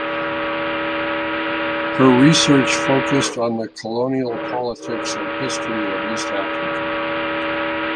Her research focused on the colonial politics and history of East Africa.